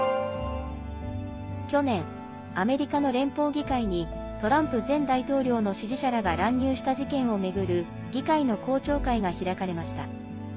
去年、アメリカの連邦議会にトランプ前大統領の支持者らが乱入した事件を巡る議会の公聴会が開かれました。